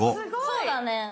そうだね。